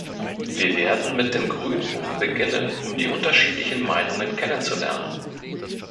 Wir werden mit dem Grünbuch beginnen, um die unterschiedlichen Meinungen kennenzulernen.